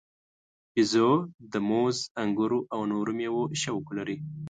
بیزو د موز، انګورو او نورو میوو شوق لري.